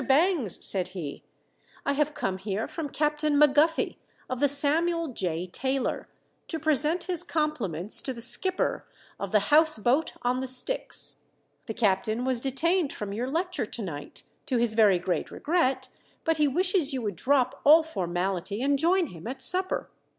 Bangs," said he, "I have come here from Captain Maguffy of the Samuel J. Taylor, to present his compliments to the skipper of the 'House Boat on the Styx.' The captain was detained from your lecture to night, to his very great regret; but he wishes you would drop all formality and join him at supper."